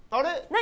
何？